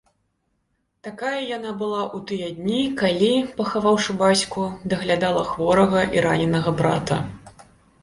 Такая яна была ў тыя дні, калі, пахаваўшы бацьку, даглядала хворага і раненага брата.